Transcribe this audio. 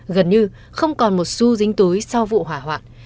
gần như không còn một su dính túi sau vụ hỏa hoạn